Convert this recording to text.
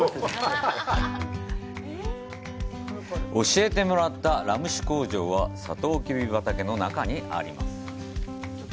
教えてもらったラム酒工場はサトウキビ畑の中にあります。